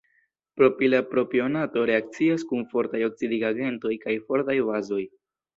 Propila propionato reakcias kun fortaj oksidigagentoj kaj fortaj bazoj.